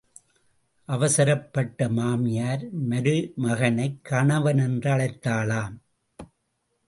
அவசரப்பட்ட மாமியார் மருமகனைக் கணவனென்று அழைத்தாளாம்.